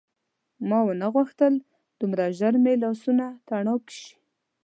خو ما ونه غوښتل دومره ژر مې لاسونه تڼاکي شي.